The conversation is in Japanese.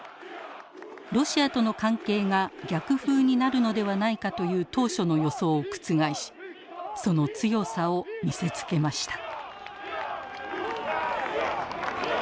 ロシアとの関係が逆風になるのではないかという当初の予想を覆しその強さを見せつけました。